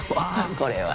これは。